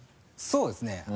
そうですね